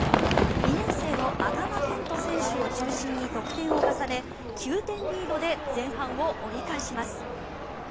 ２年生の赤間賢人選手を中心に得点を重ね９点リードで前半を折り返します。